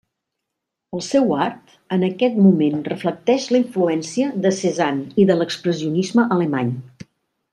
El seu art, en aquest moment reflecteix la influència de Cézanne i de l'expressionisme alemany.